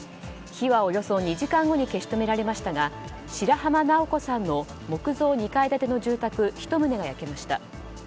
火はおよそ２時間後に消し止められましたが白濱直子さんの木造２階建ての住宅１棟が焼けました。